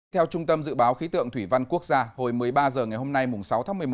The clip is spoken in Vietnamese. theo trung tâm dự báo khí tượng thủy văn quốc gia hồi một mươi ba h ngày hôm nay sáu tháng một mươi một